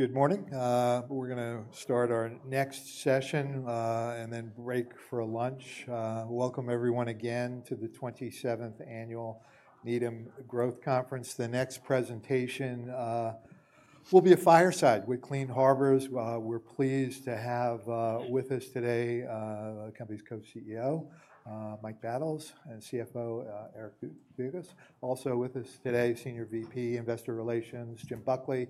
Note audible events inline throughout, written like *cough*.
Good morning. We're going to start our next session and then break for lunch. Welcome, everyone, again to the 27th Annual Needham Growth Conference. The next presentation will be a fireside with Clean Harbors. We're pleased to have with us today the company's Co-CEO, Mike Battles, and CFO, Eric Dugas. Also with us today, Senior VP, Investor Relations, Jim Buckley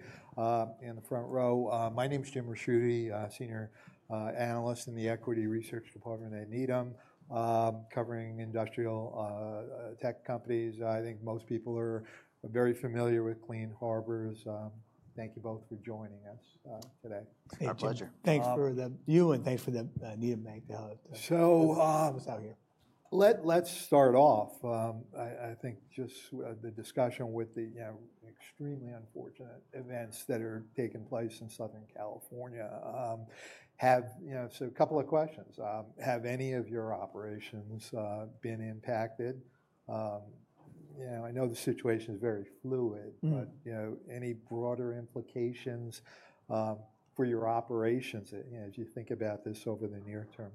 in the front row. My name is Jim Ricchiuti, Senior Analyst in the Equity Research Department at Needham, covering industrial tech companies. I think most people are very familiar with Clean Harbors. Thank you both for joining us today. Thanks. Thanks for the venue and thanks to the Needham, Mike, for the help. So. Let's start off. I think just the discussion with the extremely unfortunate events that are taking place in Southern California have a couple of questions. Have any of your operations been impacted? I know the situation is very fluid, but any broader implications for your operations as you think about this over the near term?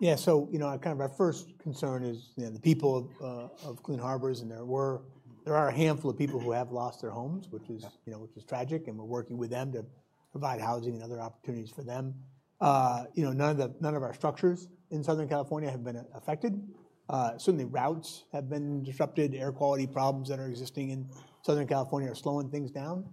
Yeah. So, you know, kind of our first concern is the people of Clean Harbors, and there are a handful of people who have lost their homes, which is tragic, and we're working with them to provide housing and other opportunities for them. None of our structures in Southern California have been affected. Certainly, routes have been disrupted. Air quality problems that are existing in Southern California are slowing things down.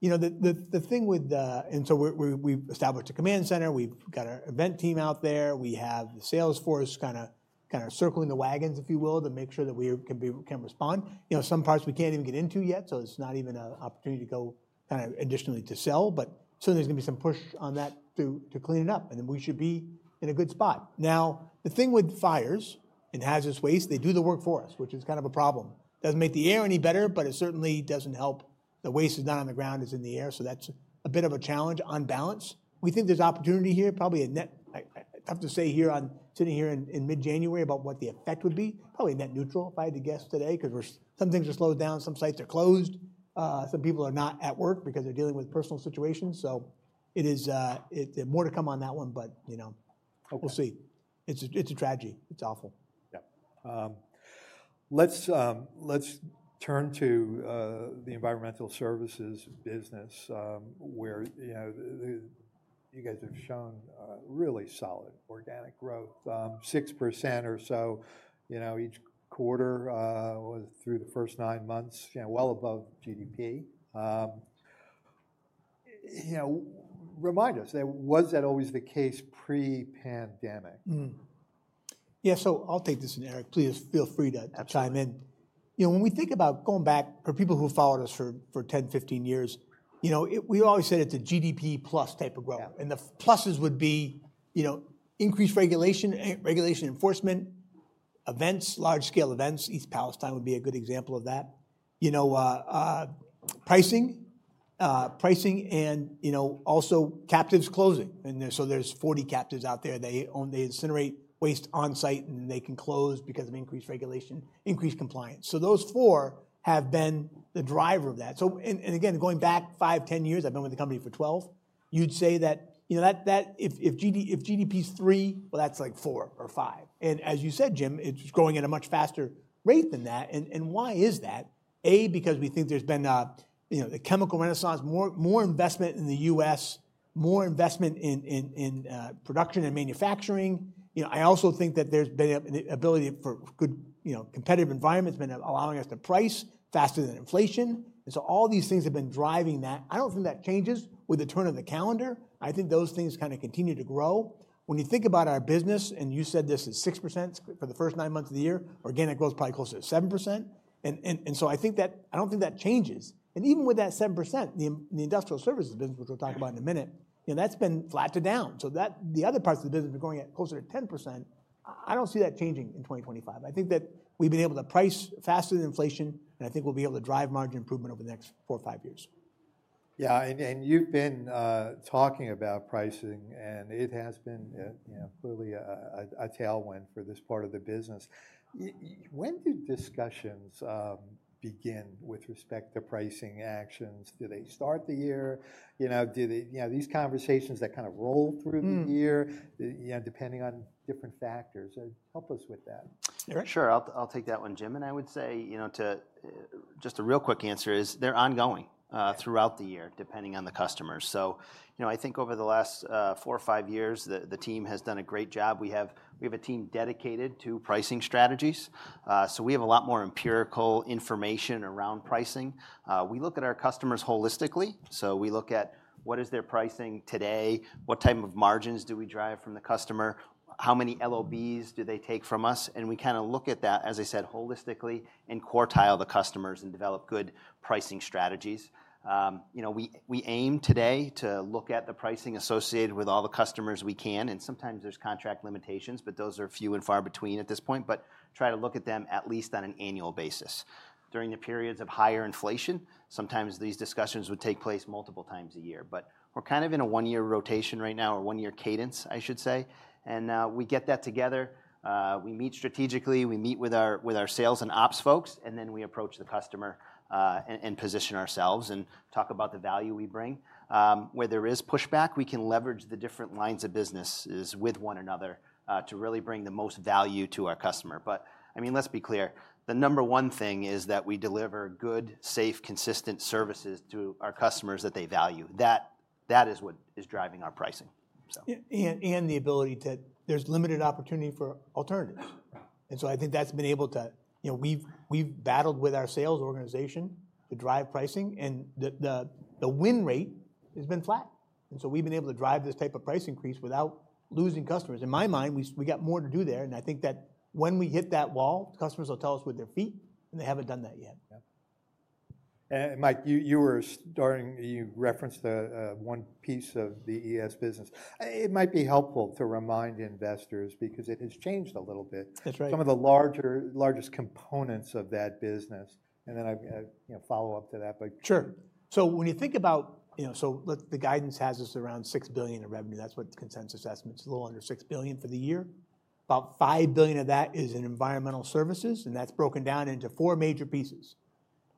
You know, and so we've established a command center. We've got our event team out there. We have the sales force kind of circling the wagons, if you will, to make sure that we can respond. You know, some parts we can't even get into yet, so it's not even an opportunity to go kind of additionally to sell. But certainly, there's going to be some push on that to clean it up, and then we should be in a good spot. Now, the thing with fires and hazardous waste, they do the work for us, which is kind of a problem. Doesn't make the air any better, but it certainly doesn't help the waste that's not on the ground, it's in the air. So that's a bit of a challenge, unbalanced. We think there's opportunity here, probably tough to say, sitting here in mid-January about what the effect would be, probably net neutral if I had to guess today, because some things are slowed down, some sites are closed, some people are not at work because they're dealing with personal situations. So it is more to come on that one, but, you know, we'll see. It's a tragedy. It's awful. Yeah. Let's turn to the environmental services business, where you guys have shown really solid organic growth, 6% or so each quarter through the first nine months, well above GDP. You know, remind us, was that always the case pre-pandemic? Yeah. So I'll take this in, Eric. Please feel free to chime in. You know, when we think about going back for people who followed us for 10 years, 15 years, you know, we always said it's a GDP plus type of growth. And the pluses would be, you know, increased regulation, regulation enforcement, events, large-scale events. East Palestine would be a good example of that. You know, pricing, pricing, and, you know, also captives closing. And so there's 40 captives out there. They incinerate waste on site, and they can close because of increased regulation, increased compliance. So those four have been the driver of that. So, and again, going back five years, 10 years, I've been with the company for 12 years, you'd say that, you know, if GDP's three, well, that's like four or five. And as you said, Jim, it's growing at a much faster rate than that. Why is that? A, because we think there's been the chemical renaissance, more investment in the U.S., more investment in production and manufacturing. You know, I also think that there's been an ability for good competitive environments been allowing us to price faster than inflation. And so all these things have been driving that. I don't think that changes with the turn of the calendar. I think those things kind of continue to grow. When you think about our business, and you said this is 6% for the first nine months of the year, organic growth probably closer to 7%. And so I think that I don't think that changes. And even with that 7%, the Industrial Services business, which we'll talk about in a minute, you know, that's been flat to down. So the other parts of the business are going at closer to 10%. I don't see that changing in 2025. I think that we've been able to price faster than inflation, and I think we'll be able to drive margin improvement over the next four or five years. Yeah. And you've been talking about pricing, and it has been clearly a tailwind for this part of the business. When do discussions begin with respect to pricing actions? Do they start the year? You know, these conversations that kind of roll through the year, you know, depending on different factors. Help us with that. Eric? Sure. I'll take that one, Jim. And I would say, you know, just a real quick answer is they're ongoing throughout the year, depending on the customers. So, you know, I think over the last four or five years, the team has done a great job. We have a team dedicated to pricing strategies. So we have a lot more empirical information around pricing. We look at our customers holistically. So we look at what is their pricing today, what type of margins do we drive from the customer, how many LOBs do they take from us. And we kind of look at that, as I said, holistically and quartile the customers and develop good pricing strategies. You know, we aim today to look at the pricing associated with all the customers we can. Sometimes there's contract limitations, but those are few and far between at this point, but try to look at them at least on an annual basis. During the periods of higher inflation, sometimes these discussions would take place multiple times a year. We're kind of in a one-year rotation right now, or one-year cadence, I should say. We get that together. We meet strategically. We meet with our sales and ops folks, and then we approach the customer and position ourselves and talk about the value we bring. Where there is pushback, we can leverage the different lines of business with one another to really bring the most value to our customer. I mean, let's be clear. The number one thing is that we deliver good, safe, consistent services to our customers that they value. That is what is driving our pricing. And the ability that there's limited opportunity for alternatives. And so I think that's been able to, you know, we've battled with our sales organization to drive pricing, and the win rate has been flat. And so we've been able to drive this type of price increase without losing customers. In my mind, we got more to do there. And I think that when we hit that wall, customers will tell us with their feet, and they haven't done that yet. Yeah. And Mike, you were starting, you referenced one piece of the ES business. It might be helpful to remind investors because it has changed a little bit. That's right. Some of the largest components of that business. And then I'll follow up to that. Sure. So when you think about, you know, so the guidance has us around $6 billion in revenue. That's what consensus estimates, a little under $6 billion for the year. About $5 billion of that is in environmental services, and that's broken down into four major pieces.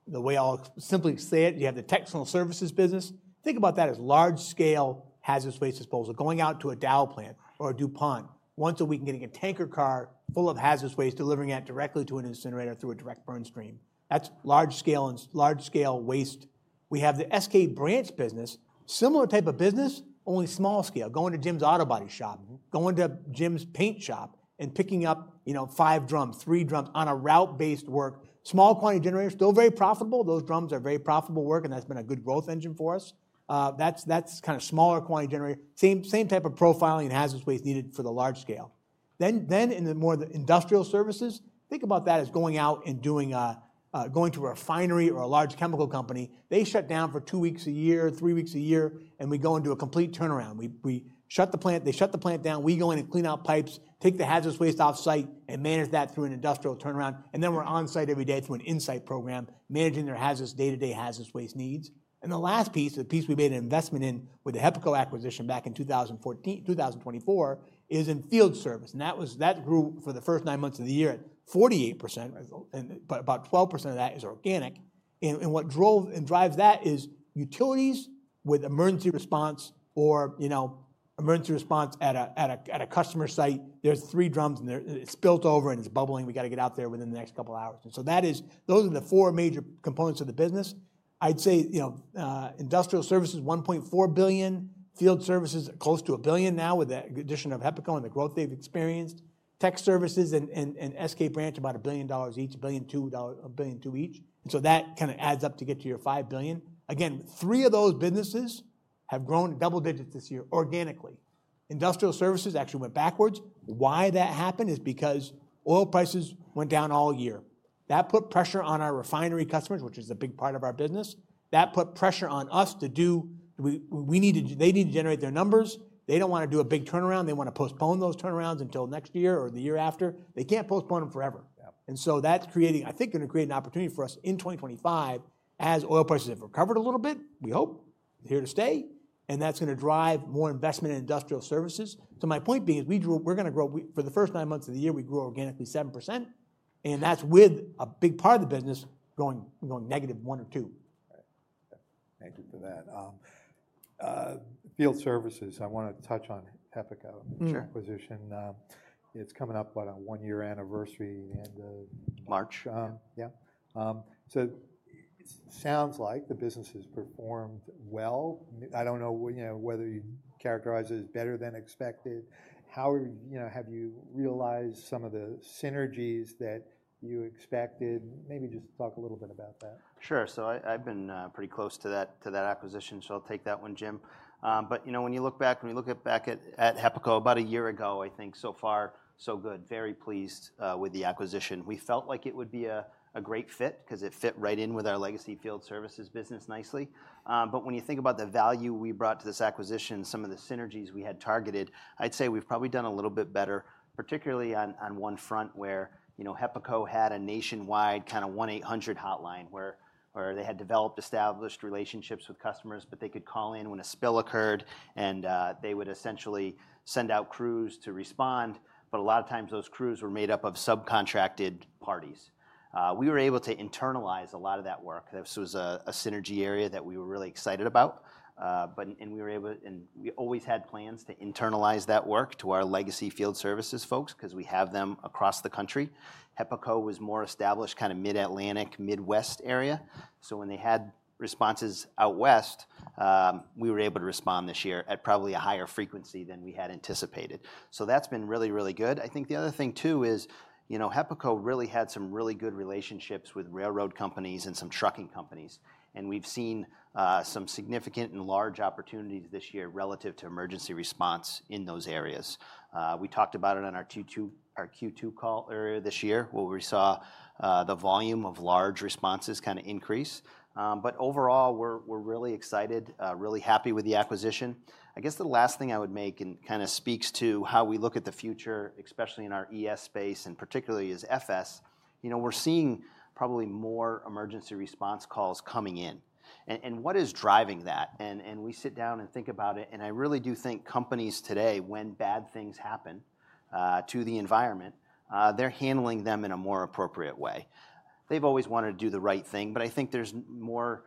The way I'll simply say it, you have the Technical Services business. Think about that as large-scale hazardous waste disposal going out to a Dow plant or a DuPont. Once a week, getting a tanker car full of hazardous waste, delivering that directly to an incinerator through a direct burn stream. That's large-scale waste. We have the SK Branch business, similar type of business, only small scale, going to Jim's auto body shop, going to Jim's paint shop and picking up, you know, five drums, three drums on a route-based work. Small quantity generator, still very profitable. Those drums are very profitable work, and that's been a good growth engine for us. That's kind of small quantity generator, same type of profiling and hazardous waste needed for the large scale. Then in the more Industrial Services, think about that as going out and going to a refinery or a large chemical company. They shut down for two weeks a year, three weeks a year, and we go into a complete turnaround. We shut the plant, they shut the plant down, we go in and clean out pipes, take the hazardous waste off-site and manage that through an industrial turnaround. And then we're on-site every day through an insight program, managing their hazardous day-to-day waste needs. And the last piece, the piece we made an investment in with the HEPACO acquisition back in 2014, 2024, is in Field Service. That grew for the first nine months of the year at 48%, but about 12% of that is organic. What drives that is utilities with emergency response or, you know, emergency response at a customer site. There's three drums, and it's spilled over and it's bubbling. We got to get out there within the next couple of hours. Those are the four major components of the business. I'd say, you know, Industrial Services, $1.4 billion, Field Services are close to $1 billion now with the addition of HEPACO and the growth they've experienced. Tech Services and SK Branch, about $1 billion each. That kind of adds up to get to your $5 billion. Three of those businesses have grown double digits this year organically. Industrial Services actually went backwards. Why that happened is because oil prices went down all year. That put pressure on our refinery customers, which is a big part of our business. That put pressure on us. They need to generate their numbers. They don't want to do a big turnaround. They want to postpone those turnarounds until next year or the year after. They can't postpone them forever, and so that's creating, I think, going to create an opportunity for us in 2025 as oil prices have recovered a little bit, we hope, here to stay, and that's going to drive more investment in Industrial Services, so my point being is we're going to grow. For the first nine months of the year, we grew organically 7%. And that's with a big part of the business going -1% or -2%. Thank you for that. Field Services, I want to touch on HEPACO acquisition. It's coming up on a one-year anniversary in March. March. Yeah. So it sounds like the business has performed well. I don't know whether you characterize it as better than expected. How have you realized some of the synergies that you expected? Maybe just talk a little bit about that. Sure. So I've been pretty close to that acquisition, so I'll take that one, Jim. But, you know, when you look back, when we look back at HEPACO about a year ago, I think so far, so good, very pleased with the acquisition. We felt like it would be a great fit because it fit right in with our legacy Field Services business nicely. But when you think about the value we brought to this acquisition, some of the synergies we had targeted, I'd say we've probably done a little bit better, particularly on one front where, you know, HEPACO had a nationwide kind of 1-800 hotline where they had developed established relationships with customers, but they could call in when a spill occurred, and they would essentially send out crews to respond. But a lot of times those crews were made up of subcontracted parties. We were able to internalize a lot of that work. This was a synergy area that we were really excited about, and we were able, and we always had plans to internalize that work to our legacy Field Services folks because we have them across the country. HEPACO was more established kind of mid-Atlantic, midwest area. So when they had responses out west, we were able to respond this year at probably a higher frequency than we had anticipated. So that's been really, really good. I think the other thing too is, you know, HEPACO really had some really good relationships with railroad companies and some trucking companies, and we've seen some significant and large opportunities this year relative to emergency response in those areas. We talked about it on our Q2 call earlier this year where we saw the volume of large responses kind of increase. But overall, we're really excited, really happy with the acquisition. I guess the last thing I would make and kind of speaks to how we look at the future, especially in our ES space, and particularly as FS, you know, we're seeing probably more emergency response calls coming in. And what is driving that? And we sit down and think about it. And I really do think companies today, when bad things happen to the environment, they're handling them in a more appropriate way. They've always wanted to do the right thing, but I think there's more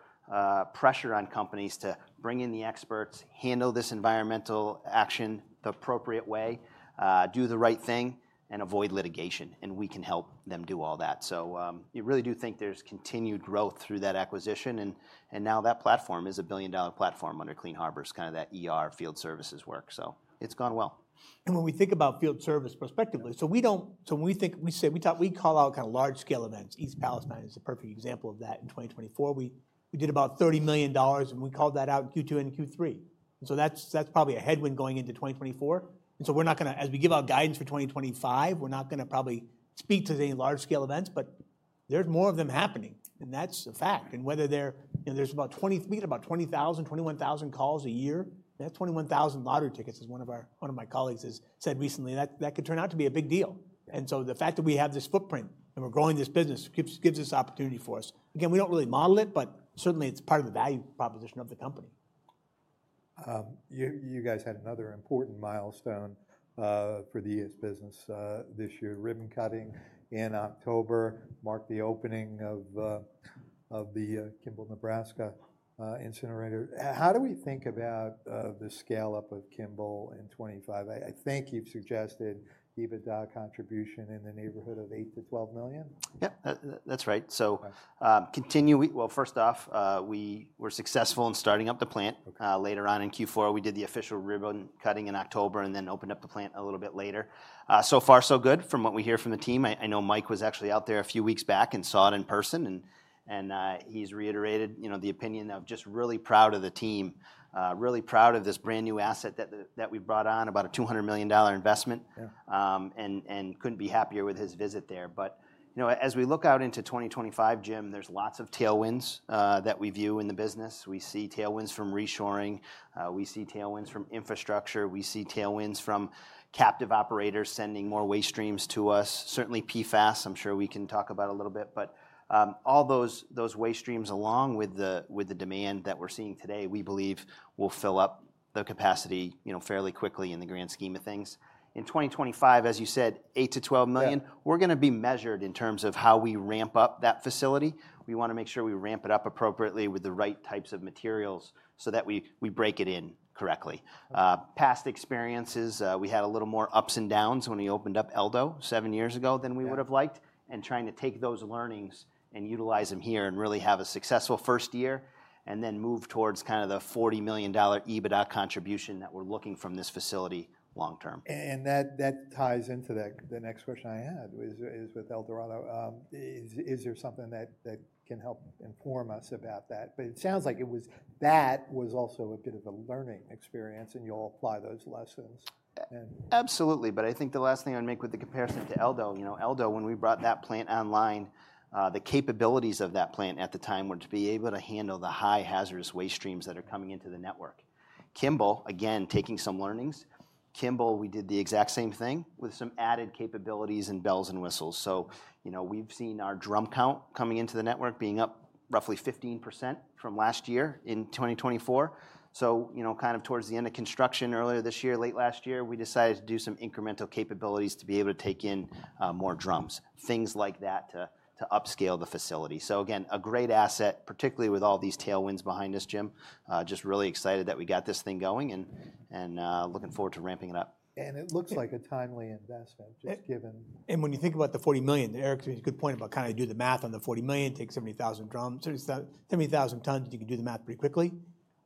pressure on companies to bring in the experts, handle this environmental action the appropriate way, do the right thing, and avoid litigation. And we can help them do all that. So I really do think there's continued growth through that acquisition. Now that platform is a billion-dollar platform under Clean Harbors, kind of that ER Field Services work. It's gone well. When we think about Field Service prospectively, we say we call out kind of large-scale events. East Palestine is a perfect example of that in 2024. We did about $30 million, and we called that out in Q2 and Q3. That's probably a headwind going into 2024. We're not going to, as we give out guidance for 2025, probably speak to any large-scale events, but there's more of them happening. That's a fact. Whether they're, you know, there's about 20,000, 21,000 calls a year. That's 21,000 lottery tickets, as one of my colleagues has said recently. That could turn out to be a big deal. The fact that we have this footprint and we're growing this business gives us opportunity for us. Again, we don't really model it, but certainly it's part of the value proposition of the company. You guys had another important milestone for the ES business this year. Ribbon cutting in October marked the opening of the Kimball, Nebraska Incinerator. How do we think about the scale-up of Kimball in 2025? I think you've suggested EBITDA contribution in the neighborhood of $8 million-$12 million. Yep. That's right. So continue, well, first off, we were successful in starting up the plant. Later on in Q4, we did the official ribbon cutting in October and then opened up the plant a little bit later. So far, so good from what we hear from the team. I know Mike was actually out there a few weeks back and saw it in person. And he's reiterated, you know, the opinion of just really proud of the team, really proud of this brand new asset that we brought on, about a $200 million investment. And couldn't be happier with his visit there. But, you know, as we look out into 2025, Jim, there's lots of tailwinds that we view in the business. We see tailwinds from reshoring. We see tailwinds from infrastructure. We see tailwinds from captive operators sending more waste streams to us. Certainly PFAS, I'm sure we can talk about a little bit. But all those waste streams, along with the demand that we're seeing today, we believe will fill up the capacity, you know, fairly quickly in the grand scheme of things. In 2025, as you said, $8 million-$12 million, we're going to be measured in terms of how we ramp up that facility. We want to make sure we ramp it up appropriately with the right types of materials so that we break it in correctly. Past experiences, we had a little more ups and downs when we opened up El Do seven years ago than we would have liked, and trying to take those learnings and utilize them here and really have a successful first year and then move towards kind of the $40 million EBITDA contribution that we're looking from this facility long term. And that ties into the next question I had is with El Dorado. Is there something that can help inform us about that? But it sounds like that was also a bit of a learning experience, and you'll apply those lessons. Absolutely. But I think the last thing I would make with the comparison to El Do, you know, El Do, when we brought that plant online, the capabilities of that plant at the time were to be able to handle the high hazardous waste streams that are coming into the network. Kimball, again, taking some learnings. Kimball, we did the exact same thing with some added capabilities and bells and whistles. So, you know, we've seen our drum count coming into the network being up roughly 15% from last year in 2024. So, you know, kind of towards the end of construction earlier this year, late last year, we decided to do some incremental capabilities to be able to take in more drums, things like that to upscale the facility. So again, a great asset, particularly with all these tailwinds behind us, Jim. Just really excited that we got this thing going and looking forward to ramping it up. It looks like a timely investment just given. And when you think about the $40 million, Eric's made a good point about kind of do the math on the $40 million, take 70,000 drums, 70,000 tons, you can do the math pretty quickly.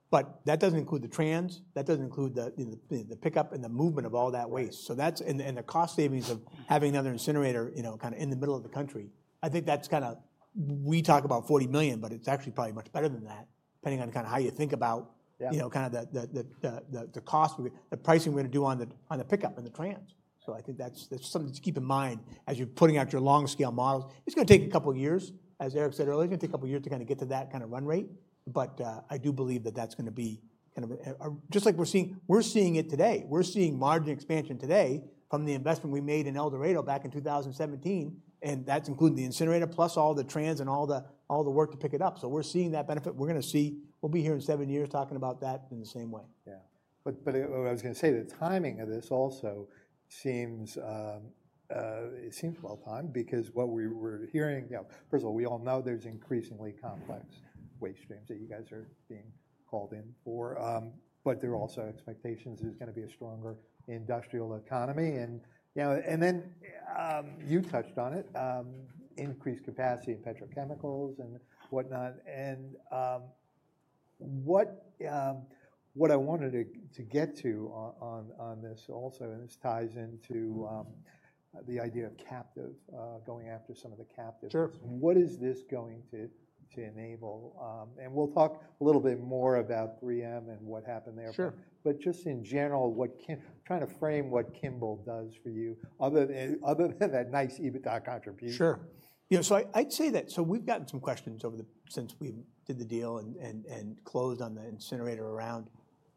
But that doesn't include the trans, that doesn't include the pickup and the movement of all that waste. So that's and the cost savings of having another incinerator, you know, kind of in the middle of the country. I think that's kind of, we talk about $40 million, but it's actually probably much better than that, depending on kind of how you think about, you know, kind of the cost, the pricing we're going to do on the pickup and the trans. So I think that's something to keep in mind as you're putting out your long-scale models. It's going to take a couple of years, as Eric said earlier, it's going to take a couple of years to kind of get to that kind of run rate. But I do believe that that's going to be kind of just like we're seeing it today. We're seeing margin expansion today from the investment we made in El Dorado back in 2017. And that's including the incinerator plus all the trucks and all the work to pick it up. So we're seeing that benefit. We're going to see, we'll be here in seven years talking about that in the same way. Yeah. But what I was going to say, the timing of this also seems well-timed because what we're hearing, you know, first of all, we all know there's increasingly complex waste streams that you guys are being called in for. But there are also expectations there's going to be a stronger industrial economy. And then you touched on it, increased capacity in petrochemicals and whatnot. And what I wanted to get to on this also, and this ties into the idea of captive, going after some of the captive. What is this going to enable? And we'll talk a little bit more about 3M and what happened there. But just in general, trying to frame what Kimball does for you other than that nice EBITDA contribution. Sure. You know, so I'd say that so we've gotten some questions over the since we did the deal and closed on the incinerator around,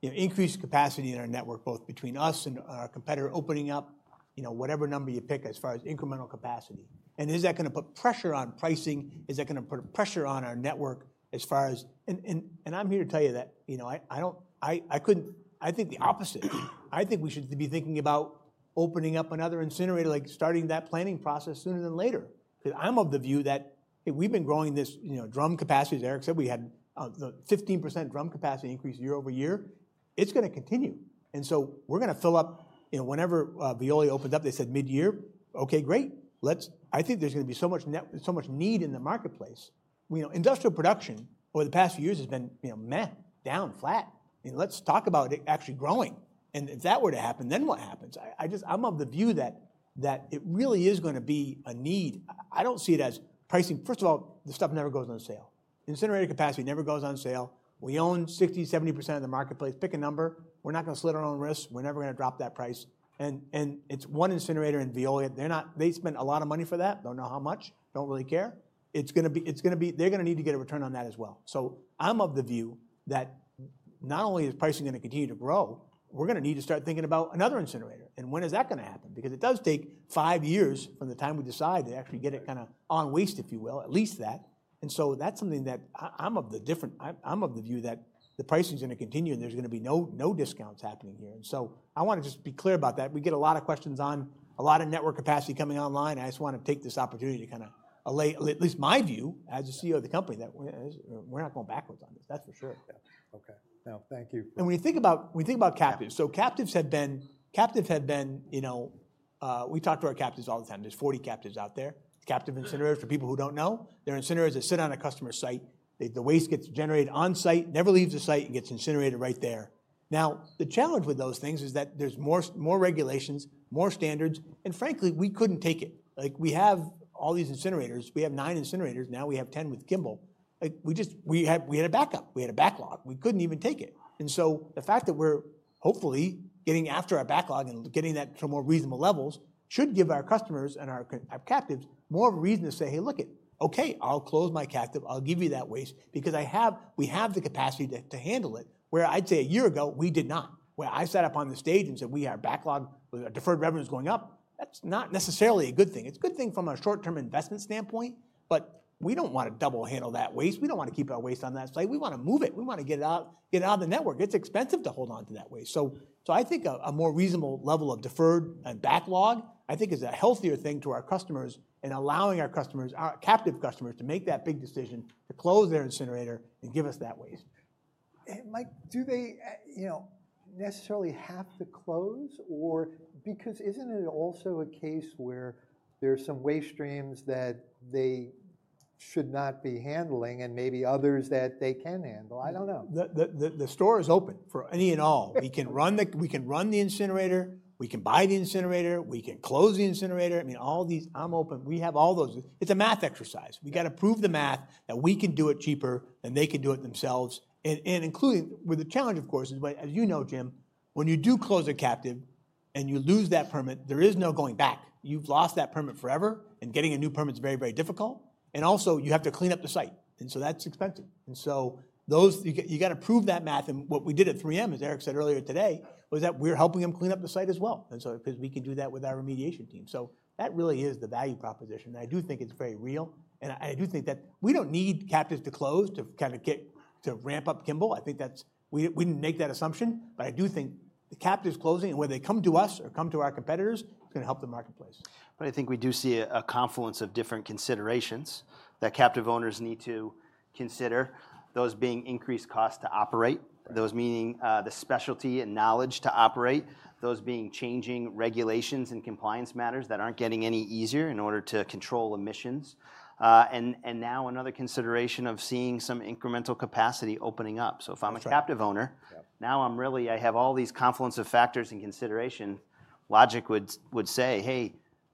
you know, increased capacity in our network, both between us and our competitor opening up, you know, whatever number you pick as far as incremental capacity. And is that going to put pressure on pricing? Is that going to put pressure on our network as far as, and I'm here to tell you that, you know, I don't, I couldn't, I think the opposite. I think we should be thinking about opening up another incinerator, like starting that planning process sooner than later. Because I'm of the view that we've been growing this, you know, drum capacity, as Eric said, we had 15% drum capacity increase year-over-year. It's going to continue. And so we're going to fill up, you know, whenever Veolia opens up. They said mid-year, okay, great. Let's, I think there's going to be so much need in the marketplace. You know, industrial production over the past few years has been, you know, meh, down, flat. Let's talk about it actually growing. And if that were to happen, then what happens? I just, I'm of the view that it really is going to be a need. I don't see it as pricing. First of all, the stuff never goes on sale. Incinerator capacity never goes on sale. We own 60%, 70% of the marketplace. Pick a number. We're not going to slit our own wrists. We're never going to drop that price. And it's one incinerator in Veolia. They're not, they spent a lot of money for that. Don't know how much. Don't really care. It's going to be. They're going to need to get a return on that as well, so I'm of the view that not only is pricing going to continue to grow, we're going to need to start thinking about another incinerator, and when is that going to happen? Because it does take five years from the time we decide to actually get it kind of on waste, if you will, at least that. That's something that I'm of the view that the pricing is going to continue and there's going to be no discounts happening here, and so I want to just be clear about that. We get a lot of questions on a lot of network capacity coming online. I just want to take this opportunity to kind of, at least my view as a CEO of the company, that we're not going backwards on this. That's for sure. Yeah. Okay. No, thank you. And when you think about captives, so captives have been, you know, we talk to our captives all the time. There's 40 captives out there. Captive incinerators, for people who don't know, they're incinerators that sit on a customer site. The waste gets generated on site, never leaves the site and gets incinerated right there. Now, the challenge with those things is that there's more regulations, more standards, and frankly, we couldn't take it. Like we have all these incinerators, we have nine incinerators, now we have 10 with Kimball. We just had a backup, we had a backlog, we couldn't even take it. And so the fact that we're hopefully getting after our backlog and getting that to more reasonable levels should give our customers and our captives more reason to say, hey, look it, okay, I'll close my captive, I'll give you that waste because I have, we have the capacity to handle it where I'd say a year ago we did not. Where I sat up on the stage and said we had our backlog, our deferred revenue is going up, that's not necessarily a good thing. It's a good thing from a short-term investment standpoint, but we don't want to double handle that waste. We don't want to keep our waste on that site. We want to move it. We want to get it out of the network. It's expensive to hold on to that waste. I think a more reasonable level of deferred and backlog, I think, is a healthier thing to our customers and allowing our customers, our captive customers to make that big decision to close their incinerator and give us that waste. Mike, do they, you know, necessarily have to close or because isn't it also a case where there's some waste streams that they should not be handling and maybe others that they can handle? I don't know. The store is open for any and all. We can run the incinerator, we can buy the incinerator, we can close the incinerator. I mean, all these, I'm open, we have all those. It's a math exercise. We got to prove the math that we can do it cheaper than they can do it themselves, and including, with the challenge, of course, is when, as you know, Jim, when you do close a captive and you lose that permit, there is no going back. You've lost that permit forever and getting a new permit is very, very difficult, and also you have to clean up the site, and so that's expensive, and so those, you got to prove that math, and what we did at 3M, as Eric said earlier today, was that we're helping them clean up the site as well. And so because we can do that with our remediation team. So that really is the value proposition. And I do think it's very real. And I do think that we don't need captives to close to kind of get to ramp up Kimball. I think that's, we didn't make that assumption, but I do think the captives closing and where they come to us or come to our competitors, it's going to help the marketplace. But I think we do see a confluence of different considerations that captive owners need to consider, those being increased costs to operate, those meaning the specialty and knowledge to operate, those being changing regulations and compliance matters that aren't getting any easier in order to control emissions, and now another consideration of seeing some incremental capacity opening up, so if I'm a captive owner, now I'm really, I have all these confluence of factors and considerations. Logic would say, hey,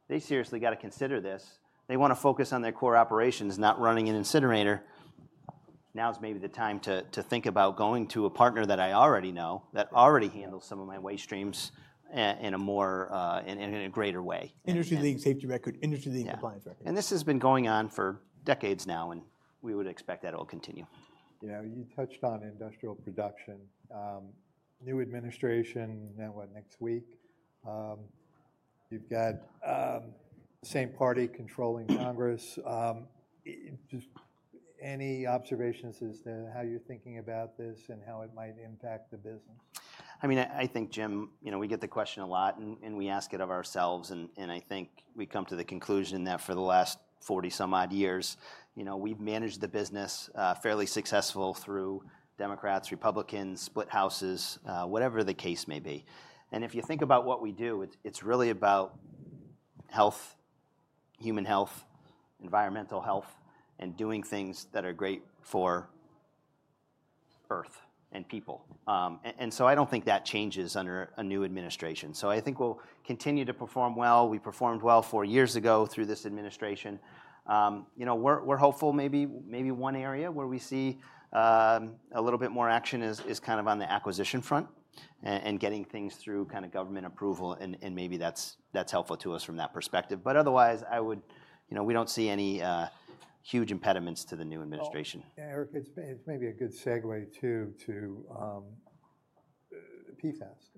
they seriously got to consider this. They want to focus on their core operations, not running an incinerator. Now's maybe the time to think about going to a partner that I already know, that already handles some of my waste streams in a more, in a greater way. Industry-leading safety record. Industry-leading compliance record. This has been going on for decades now, and we would expect that it will continue. Yeah, you touched on industrial production. New administration, now what, next week? You've got the same party controlling Congress. Any observations as to how you're thinking about this and how it might impact the business? I mean, I think, Jim, you know, we get the question a lot and we ask it of ourselves. And I think we come to the conclusion that for the last 40 some odd years, you know, we've managed the business fairly successful through Democrats, Republicans, split houses, whatever the case may be. And if you think about what we do, it's really about health, human health, environmental health, and doing things that are great for Earth and people. And so I don't think that changes under a new administration. So I think we'll continue to perform well. We performed well four years ago through this administration. You know, we're hopeful maybe one area where we see a little bit more action is kind of on the acquisition front and getting things through kind of government approval. And maybe that's helpful to us from that perspective. But otherwise, I would, you know, we don't see any huge impediments to the new administration. Eric, it's maybe a good segue too to PFAS.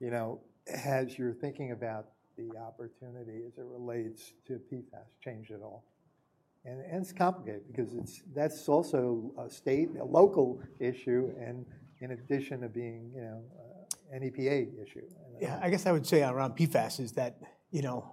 You know, as you're thinking about the opportunity as it relates to PFAS change at all. It's complicated because that's also a state, a local issue, and in addition to being, you know, an EPA issue. Yeah, I guess I would say around PFAS is that, you know,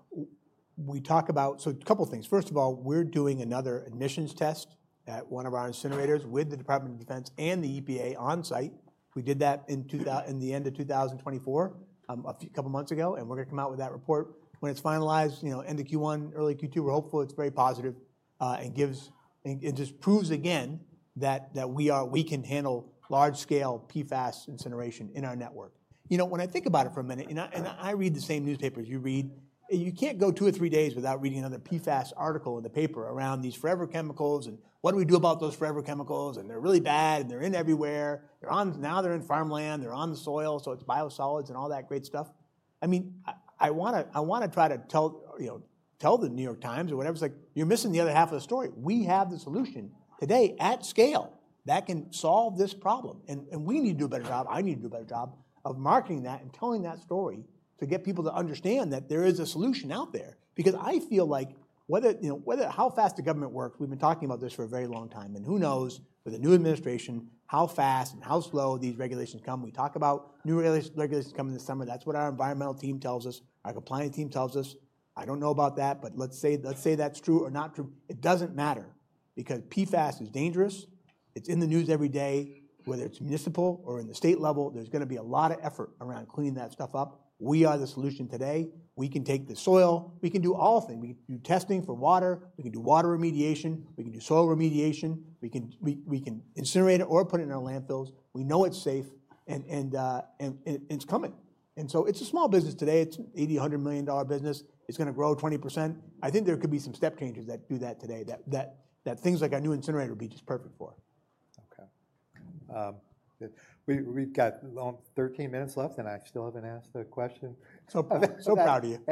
we talk about, so a couple of things. First of all, we're doing another emission test at one of our incinerators with the Department of Defense and the EPA on site. We did that at the end of 2024, a couple of months ago, and we're going to come out with that report when it's finalized, you know, end of Q1, early Q2. We're hopeful it's very positive and gives, and just proves again that we are, we can handle large-scale PFAS incineration in our network. You know, when I think about it for a minute, and I read the same newspapers you read, you can't go two or three days without reading another PFAS article in the paper around these forever chemicals and what do we do about those forever chemicals? They're really bad and they're in everywhere. They're on, now they're in farmland, they're on the soil. So it's biosolids and all that great stuff. I mean, I want to try to tell, you know, tell the New York Times or whatever. It's like, you're missing the other half of the story. We have the solution today at scale that can solve this problem. We need to do a better job. I need to do a better job of marketing that and telling that story to get people to understand that there is a solution out there. Because I feel like whether, you know, whether, how fast the government works, we've been talking about this for a very long time. Who knows with the new administration how fast and how slow these regulations come. We talk about new *audio distortion* coming this summer. That's what our environmental team tells us, our compliance team tells us. I don't know about that, but let's say that's true or not true. It doesn't matter because PFAS is dangerous. It's in the news every day, whether it's municipal or in the state level, there's going to be a lot of effort around cleaning that stuff up. We are the solution today. We can take the soil. We can do all things. We can do testing for water. We can do water remediation. We can do soil remediation. We can incinerate it or put it in our landfills. We know it's safe and it's coming. And so it's a small business today. It's a $80 million, $100 million business. It's going to grow 20%. I think there could be some step changes that do that today that things like our new incinerator would be just perfect for. Okay. We've got 13 minutes left and I still haven't asked a question. So proud of you.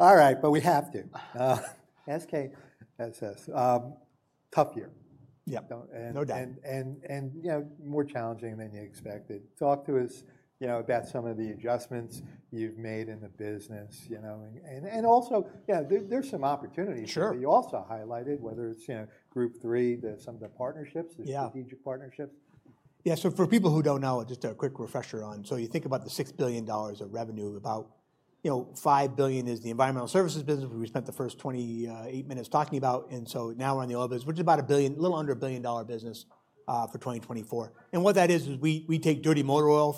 All right, but we have to. SKSS. Tough year. Yeah, no doubt. You know, more challenging than you expected. Talk to us, you know, about some of the adjustments you've made in the business, you know, and also. Yeah, there's some opportunities that you also highlighted, whether it's, you know, Group III, some of the partnerships, the strategic partnerships. Yeah, so for people who don't know, just a quick refresher on, so you think about the $6 billion of revenue, about, you know, $5 billion is the environmental services business, which we spent the first 28 minutes talking about. And so now we're on the oil business, which is about a billion, a little under $1 billion business for 2024. And what that is is we take dirty motor oil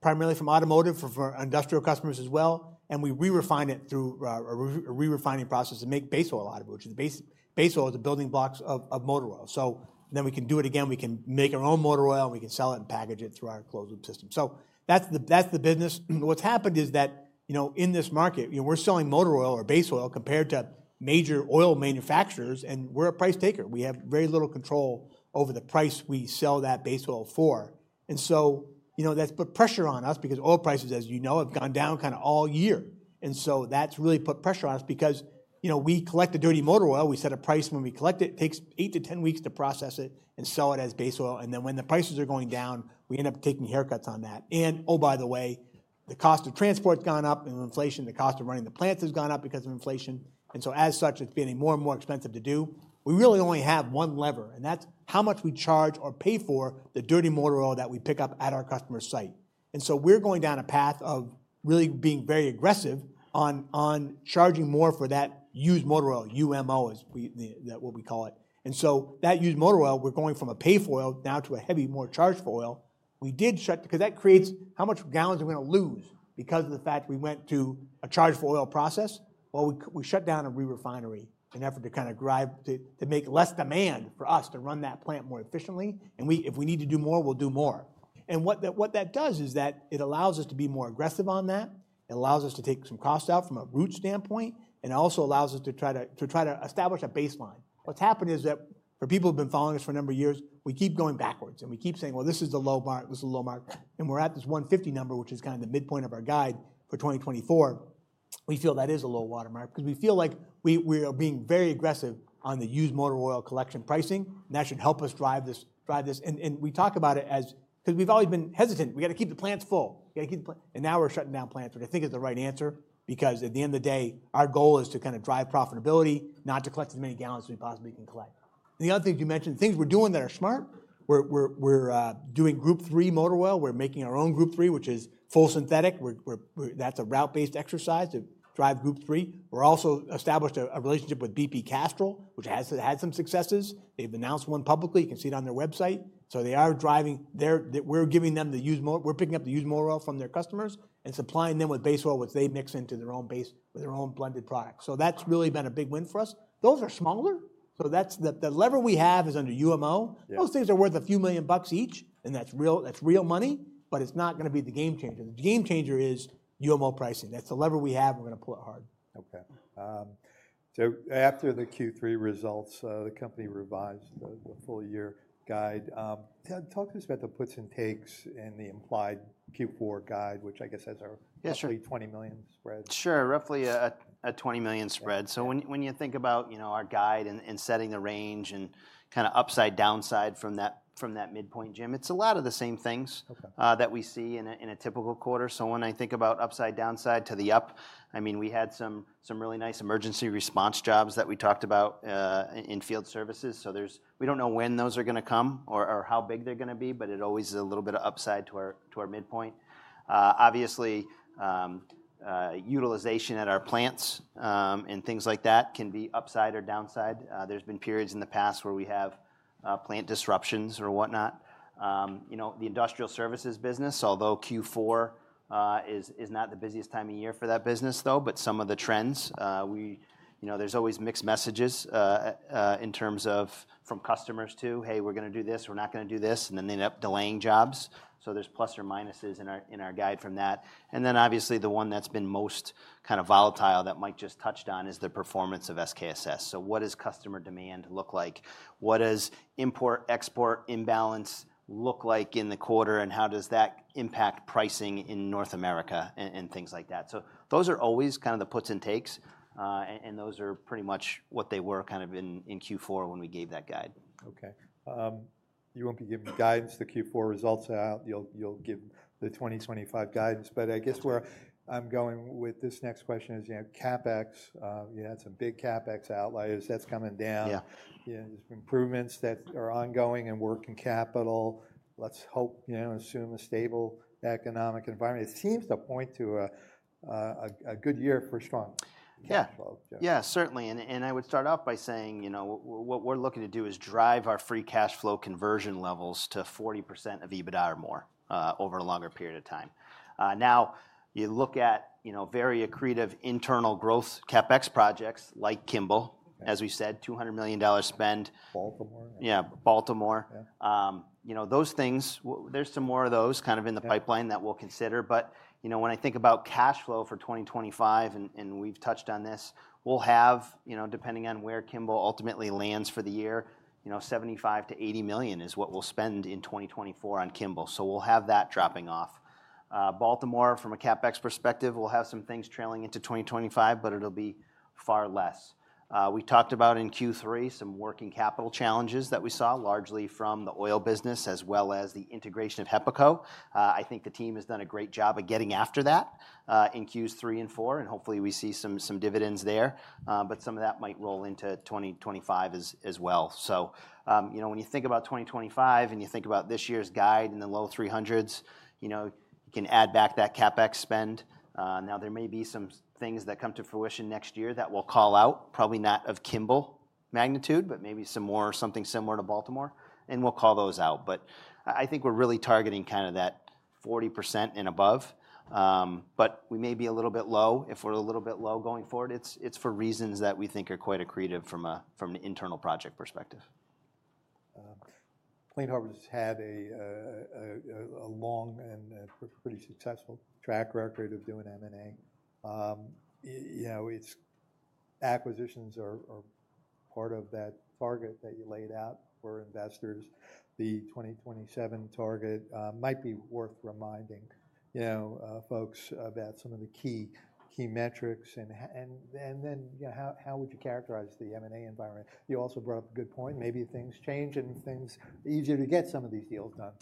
primarily from automotive for industrial customers as well. And we re-refine it through a re-refining process to make base oil out of it, which is base oil is the building blocks of motor oil. So then we can do it again. We can make our own motor oil and we can sell it and package it through our closed loop system. So that's the business. What's happened is that, you know, in this market, you know, we're selling motor oil or base oil compared to major oil manufacturers and we're a price taker. We have very little control over the price we sell that base oil for. And so, you know, that's put pressure on us because oil prices, as you know, have gone down kind of all year. And so that's really put pressure on us because, you know, we collect the dirty motor oil. We set a price when we collect it. It takes eight to 10 weeks to process it and sell it as base oil. And then when the prices are going down, we end up taking haircuts on that. And oh, by the way, the cost of transport has gone up and inflation, the cost of running the plants has gone up because of inflation. And so as such, it's been more and more expensive to do. We really only have one lever and that's how much we charge or pay for the dirty motor oil that we pick up at our customer site. And so we're going down a path of really being very aggressive on charging more for that used motor oil, UMO is what we call it. And so that used motor oil, we're going from a pay for oil now to a heavy more charge for oil. We did shut because that creates how much gallons are we going to lose because of the fact we went to a charge for oil process. Well, we shut down a re-refinery in an effort to kind of drive to make less demand for us to run that plant more efficiently. And if we need to do more, we'll do more. What that does is that it allows us to be more aggressive on that. It allows us to take some costs out from a root standpoint and also allows us to try to establish a baseline. What's happened is that for people who've been following us for a number of years, we keep going backwards and we keep saying, well, this is the low mark, this is the low mark. We're at this 150 number, which is kind of the midpoint of our guide for 2024. We feel that is a low watermark because we feel like we are being very aggressive on the used motor oil collection pricing. That should help us drive this. We talk about it as because we've always been hesitant. We got to keep the plants full. We got to keep the plants. Now we're shutting down plants, which I think is the right answer because at the end of the day, our goal is to kind of drive profitability, not to collect as many gallons as we possibly can collect. The other things you mentioned, things we're doing that are smart. We're doing Group III motor oil. We're making our own Group III, which is full synthetic. That's a route-based exercise to drive Group III. We've also established a relationship with BP Castrol, which has had some successes. They've announced one publicly. You can see it on their website. They are driving there. We're giving them the used motor. We're picking up the used motor oil from their customers and supplying them with base oil, which they mix into their own base with their own blended products. That's really been a big win for us. Those are smaller. So that's the lever we have is under UMO. Those things are worth a few million bucks each. And that's real money, but it's not going to be the game changer. The game changer is UMO pricing. That's the lever we have. We're going to pull it hard. Okay. So after the Q3 results, the company revised the full year guide. Talk to us about the puts and takes and the implied Q4 guide, which I guess has a roughly $20 million spread. Sure, roughly a $20 million spread. So when you think about, you know, our guide and setting the range and kind of upside, downside from that midpoint, Jim, it's a lot of the same things that we see in a typical quarter. So when I think about upside, downside to the up, I mean, we had some really nice emergency response jobs that we talked about in Field Services. So there's, we don't know when those are going to come or how big they're going to be, but it always is a little bit of upside to our midpoint. Obviously, utilization at our plants and things like that can be upside or downside. There's been periods in the past where we have plant disruptions or whatnot. You know, the Industrial Services business, although Q4 is not the busiest time of year for that business though, but some of the trends, we, you know, there's always mixed messages in terms of from customers to, "hey, we're going to do this, we're not going to do this," and then they end up delaying jobs, so there's plus or minuses in our guide from that. And then obviously the one that's been most kind of volatile that Mike just touched on is the performance of SKSS, so what does customer demand look like? What does import-export imbalance look like in the quarter? And how does that impact pricing in North America and things like that? So those are always kind of the puts and takes, and those are pretty much what they were kind of in Q4 when we gave that guide. Okay. You won't be giving guidance to Q4 results out. You'll give the 2025 guidance. But I guess where I'm going with this next question is, you know, CapEx, you had some big CapEx outliers. That's coming down. There's improvements that are ongoing and working capital. Let's hope, you know, assume a stable economic environment. It seems to point to a good year for strong cash flow. Yeah, certainly. And I would start off by saying, you know, what we're looking to do is drive our free cash flow conversion levels to 40% of EBITDA or more over a longer period of time. Now, you look at, you know, very accretive internal growth CapEx projects like Kimball, as we said, $200 million spend. Baltimore. Yeah, Baltimore. You know, those things, there's some more of those kind of in the pipeline that we'll consider. But, you know, when I think about cash flow for 2025, and we've touched on this, we'll have, you know, depending on where Kimball ultimately lands for the year, you know, $75 million-$80 million is what we'll spend in 2024 on Kimball. So we'll have that dropping off. Baltimore, from a CapEx perspective, we'll have some things trailing into 2025, but it'll be far less. We talked about in Q3 some working capital challenges that we saw largely from the oil business as well as the integration of HEPACO. I think the team has done a great job of getting after that in Q3 and Q4, and hopefully we see some dividends there. But some of that might roll into 2025 as well. So, you know, when you think about 2025 and you think about this year's guide and the low 300s, you know, you can add back that CapEx spend. Now, there may be some things that come to fruition next year that we'll call out, probably not of Kimball magnitude, but maybe some more or something similar to Baltimore. And we'll call those out. But I think we're really targeting kind of that 40% and above. But we may be a little bit low if we're a little bit low going forward. It's for reasons that we think are quite accretive from an internal project perspective. Clean Harbors has had a long and pretty successful track record of doing M&A. You know, its acquisitions are part of that target that you laid out for investors. The 2027 target might be worth reminding, you know, folks about some of the key metrics. And then, you know, how would you characterize the M&A environment? You also brought up a good point. Maybe things change and things are easier to get some of these deals done.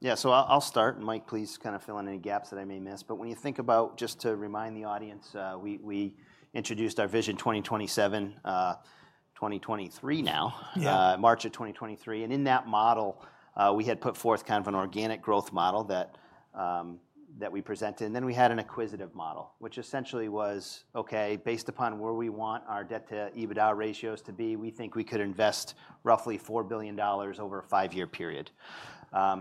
Yeah. Yeah. So I'll start, and Mike, please kind of fill in any gaps that I may miss. But when you think about, just to remind the audience, we introduced our Vision 2027, 2023 now, March of 2023, and in that model, we had put forth kind of an organic growth model that we presented, and then we had an acquisitive model, which essentially was, okay, based upon where we want our debt to EBITDA ratios to be, we think we could invest roughly $4 billion over a five-year period,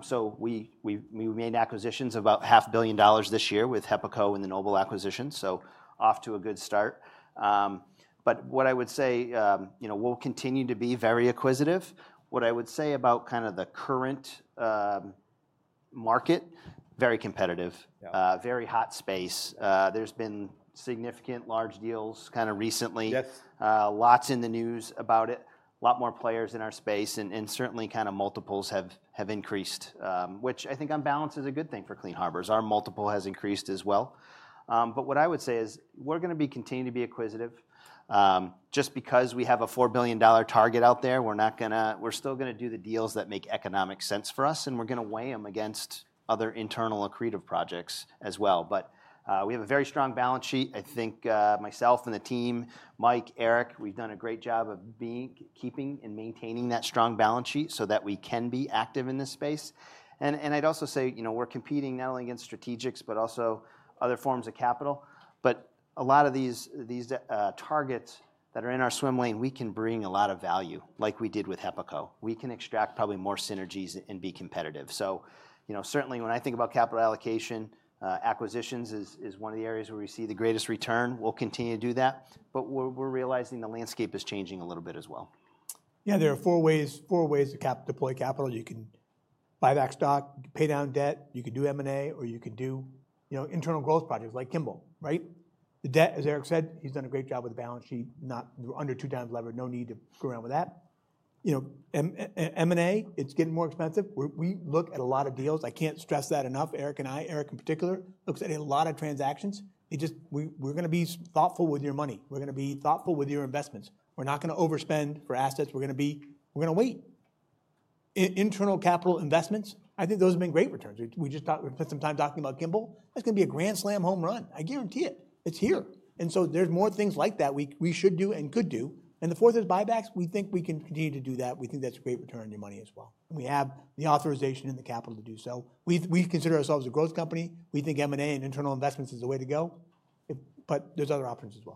so we made acquisitions of about $500 million this year with HEPACO and the Noble acquisition, so off to a good start, but what I would say, you know, we'll continue to be very acquisitive. What I would say about kind of the current market, very competitive, very hot space. There's been significant large deals kind of recently, lots in the news about it, a lot more players in our space, and certainly kind of multiples have increased, which I think on balance is a good thing for Clean Harbors. Our multiple has increased as well. But what I would say is we're going to continue to be acquisitive. Just because we have a $4 billion target out there, we're not going to, we're still going to do the deals that make economic sense for us, and we're going to weigh them against other internal accretive projects as well. But we have a very strong balance sheet. I think myself and the team, Mike, Eric, we've done a great job of keeping and maintaining that strong balance sheet so that we can be active in this space. I'd also say, you know, we're competing not only against strategics, but also other forms of capital. A lot of these targets that are in our swim lane, we can bring a lot of value like we did with HEPACO. We can extract probably more synergies and be competitive. You know, certainly when I think about capital allocation, acquisitions is one of the areas where we see the greatest return. We'll continue to do that. We're realizing the landscape is changing a little bit as well. Yeah, there are four ways to deploy capital. You can buy back stock, pay down debt, you can do M&A, or you can do, you know, internal growth projects like Kimball, right? The debt, as Eric said, he's done a great job with the balance sheet, now under two times levered, no need to go around with that. You know, M&A, it's getting more expensive. We look at a lot of deals. I can't stress that enough. Eric and I, Eric in particular, looks at a lot of transactions. We're going to be thoughtful with your money. We're going to be thoughtful with your investments. We're not going to overspend for assets. We're going to wait. Internal capital investments, I think those have been great returns. We just spent some time talking about Kimball. That's going to be a grand slam home run. I guarantee it. It's here. And so there's more things like that we should do and could do. And the fourth is buybacks. We think we can continue to do that. We think that's a great return on your money as well. And we have the authorization and the capital to do so. We consider ourselves a growth company. We think M&A and internal investments is the way to go. But there's other options as well.